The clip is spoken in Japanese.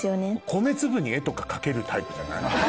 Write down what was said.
米粒に絵とか描けるタイプじゃない？